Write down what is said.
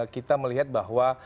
kita melihat bahwa